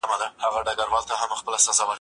زه مخکي موبایل کارولی و.